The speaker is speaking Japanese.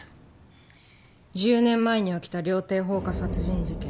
１０年前に起きた料亭放火殺人事件。